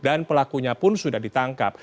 dan pelakunya pun sudah ditangkap